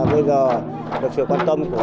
bây giờ được sự quan tâm của